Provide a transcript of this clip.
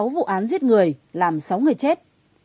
sáu vụ án giết người làm sáu người chết